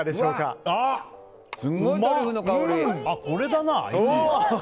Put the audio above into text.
これだな。